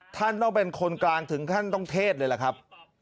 ท่านต้องเป็นคนกลางถึงขั้นต้องเทศเลยล่ะครับ